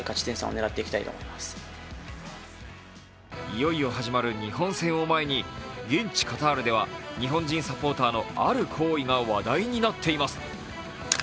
いよいよ始まる日本戦を前に現地カタールでは日本人サポータのある行為が話題になっています。